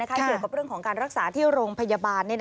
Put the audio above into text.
เกี่ยวกับเรื่องของการรักษาที่โรงพยาบาล